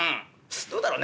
どうだろうね